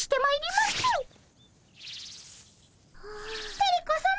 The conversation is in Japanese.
テレ子さま